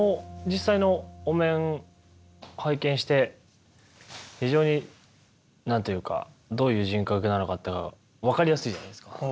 実際のお面拝見して非常になんというかどういう人格なのか分かりやすいじゃないですか。